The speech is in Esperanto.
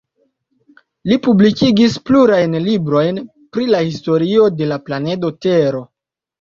Li publikigis plurajn librojn pri la historio de la planedo Tero.